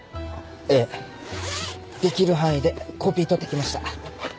ええできる範囲でコピー取って来ました。